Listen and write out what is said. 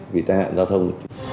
vì tài hạn giao thông